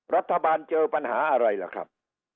รัฐบาลเจอปัญหาอะไรล่ะครับ